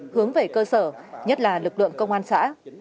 hướng về cơ sở nhất là lực lượng công an xã